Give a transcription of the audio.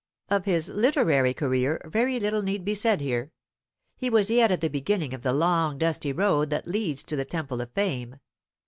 Of his literary career very little need be said here. He was yet at the beginning of the long dusty road that leads to the temple of Fame.